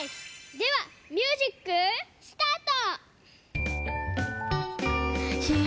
ではミュージックスタート！